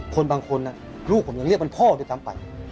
คนบางคนลูกผมยังเรียกเป็นพ่อด้วยซ้ำไป